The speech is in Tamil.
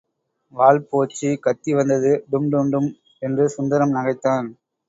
வால் போச்சு, கத்தி வந்தது, டும்டும் என்று சுந்தரம் நகைத்தான்.